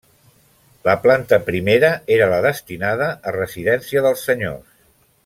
La planta primera era la destinada a residència dels senyors.